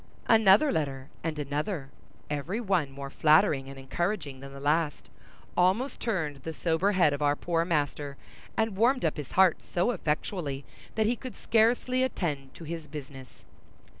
Another letter and another, every one more flattering and encouraging than the last, almost turned the sober head of our poor master, and warmed up his heart so effectually that he could scarcely attend to his business.